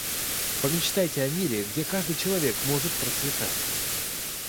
Помечтайте о мире, где каждый человек может процветать.